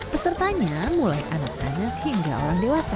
pesertanya mulai anak anak hingga orang dewasa